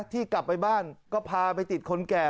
ที่กลับไปบ้านก็พาไปติดคนแก่